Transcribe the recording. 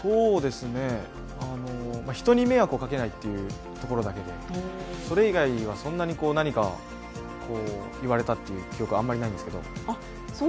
人に迷惑をかけないというところだけでそれ以外はそんなに何か言われたっていう記憶はあまりないんですけど。